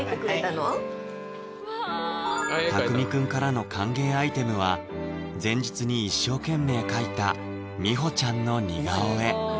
タクミくんからの歓迎アイテムは前日に一生懸命描いた美穂ちゃんの似顔絵